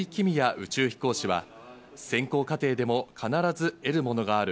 宇宙飛行士は選考過程でも必ず得るものがある。